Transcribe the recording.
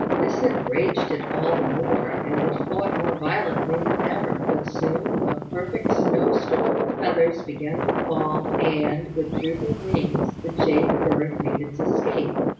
This enraged it all the more, and it fought more violently than ever; but soon a perfect snowstorm of feathers began to fall, and, with drooping wings, the Jade bird made its escape.